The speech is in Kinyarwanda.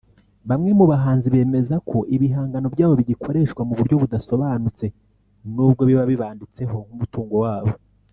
Bamwe mu bahanzi bemeza ko ibihangano byabo bigikoreshwa mu buryo budasobanutse n’ubwo biba bibanditseho nk’umutungo wabo